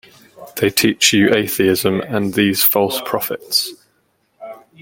They teach you atheism and these false prophets.